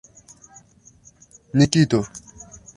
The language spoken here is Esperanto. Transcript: Nikito!